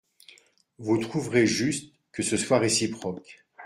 Vous trouverez juste que ce soit réciproque.